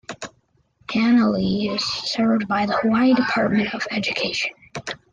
Hanalei is served by the Hawaii Department of Education.